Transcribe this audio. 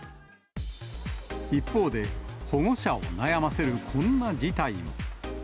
一方で、保護者を悩ませるこんな事態も。